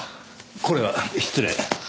これは失礼。